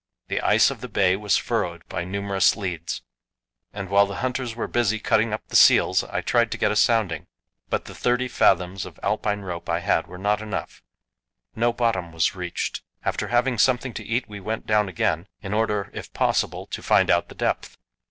The ice of the bay was furrowed by numerous leads, and while the hunters were busy cutting up the seals, I tried to get a sounding, but the thirty fathoms of Alpine rope I had were not enough; no bottom was reached. After having something to eat we went down again, in order if possible to find out the depth.